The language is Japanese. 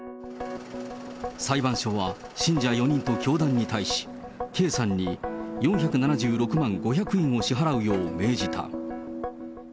裁判所は、信者４人と教団に対し、Ｋさんに４７６万５００円を支払うよう命じた。